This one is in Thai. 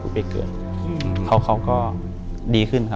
อยู่ที่แม่ศรีวิรัยิลครับ